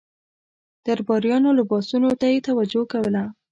درباریانو لباسونو ته یې توجه کوله.